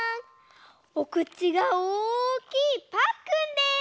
おくちがおおきいパックンです！